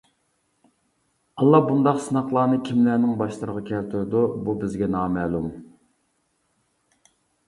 ئاللا بۇنداق سىناقلارنى كىملەرنىڭ باشلىرىغا كەلتۈرىدۇ بۇ بىزگە نامەلۇم.